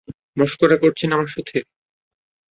মশকরা করছেন আমার সাথে?